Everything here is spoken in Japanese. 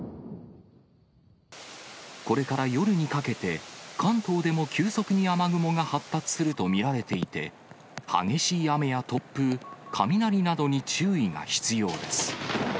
これから夜にかけて、関東でも急速に雨雲が発達すると見られていて、激しい雨や突風、雷などに注意が必要です。